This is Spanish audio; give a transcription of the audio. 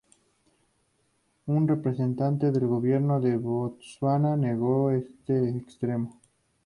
Un representante del Gobierno de Botsuana negó este extremo.